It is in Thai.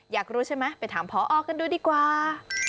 อยากรู้ใช่ไหมไปถามพอกันดูดีกว่า